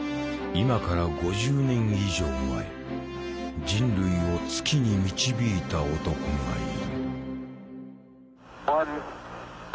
今から５０年以上前人類を月に導いた男がいる。